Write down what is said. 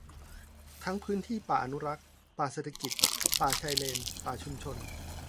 ทั้งพื้นที่ป่าอนุรักษ์ ป่าเศรษฐกิจ ป่าชายเลน ป่าชุมชน